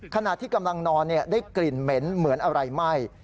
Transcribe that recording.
ขณะที่กำลังนอนได้กลิ่นเหม็นเหมือนอะไรไหม้